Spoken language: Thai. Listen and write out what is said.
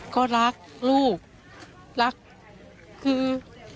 ก็รักลูกรักคือ